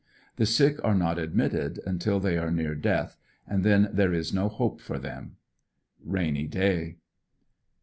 The sick are not admitted until they are near death, and then there is no hope for them. Rainy day.